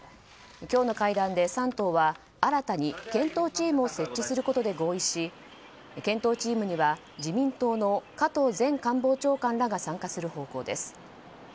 今日の会談で３党は新たに検討チームを設置することで合意し検討チームには自民党の加藤前官房長官らが参加する方向です。